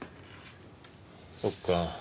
そっか。